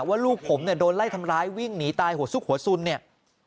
ว่าลูกผมเนี่ยโดนไล่ทำร้ายวิ่งหนีตายหัวซุกหัวสุนเนี่ย